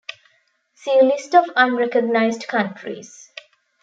See list of unrecognized countries.